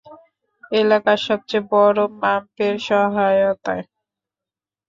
এলাকার সবচেয়ে বড়ো পাম্পের সহায়তায়।